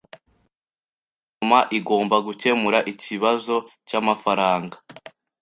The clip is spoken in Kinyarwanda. Guverinoma igomba gukemura ikibazo cyamafaranga